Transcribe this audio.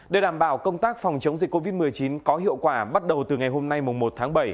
để đảm bảo công tác phòng chống dịch covid một mươi chín có hiệu quả bắt đầu từ ngày hôm nay một tháng bảy